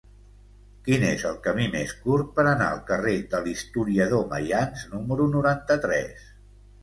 Quin és el camí més curt per anar al carrer de l'Historiador Maians número noranta-tres?